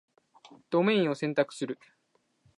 ドメインを選択する